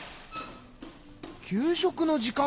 給食の時間か。